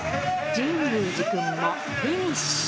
神宮寺君もフィニッシュ。